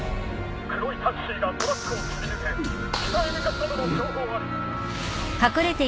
黒いタクシーがトラックをすり抜け北へ向かったとの情報あり。